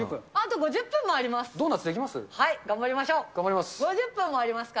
５０分もありますから。